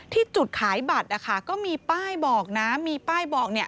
ที่จุดขายบัตรนะคะก็มีป้ายบอกนะมีป้ายบอกเนี่ย